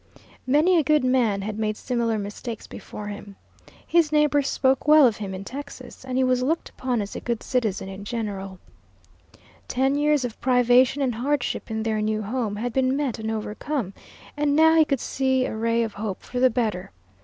Many a good man had made similar mistakes before him. His neighbors spoke well of him in Texas, and he was looked upon as a good citizen in general. Ten years of privation and hardship, in their new home, had been met and overcome, and now he could see a ray of hope for the better.